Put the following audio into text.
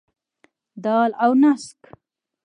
دال او نسک.